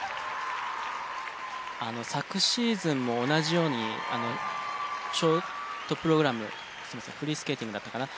昨シーズンも同じようにショートプログラムすみませんフリースケーティングだったかな？